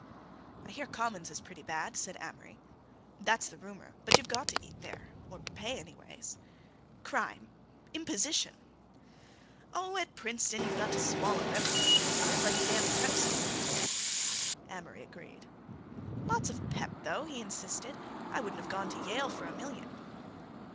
"I hear Commons is pretty bad," said Amory. "That's the rumor. But you've got to eat there—or pay anyways." "Crime!" "Imposition!" "Oh, at Princeton you've got to swallow everything the first year. It's like a damned prep school." Amory agreed. "Lot of pep, though," he insisted. "I wouldn't have gone to Yale for a million."